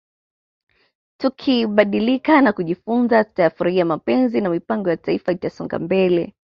Tukibadilika na kujifunza tutayafurahia mapenzi na mipango ya Taifa itasonga mbele